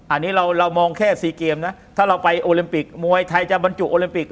อันนี้เรามองแค่๔เกมนะถ้าเราไปโอลิมปิกมวยไทยจะบรรจุโอลิมปิก